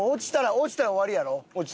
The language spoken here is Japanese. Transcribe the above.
落ちたら終わり。